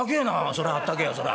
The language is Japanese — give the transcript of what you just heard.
「そらあったけえやそら。